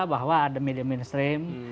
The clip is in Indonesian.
bahwa ada media mainstream